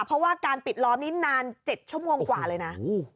เพราะว่าการปิดล้อมนี้นาน๗ชั่วโมงกว่าเลยนะ